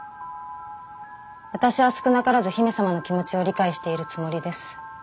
私は少なからず姫様の気持ちを理解しているつもりです。